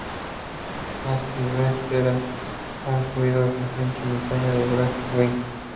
Nasty Vent: crea un ruido fuerte emitido por Black Wing.